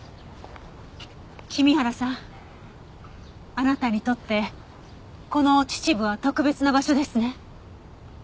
君原さんあなたにとってこの秩父は特別な場所ですね？